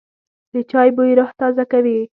د چای بوی روح تازه کوي.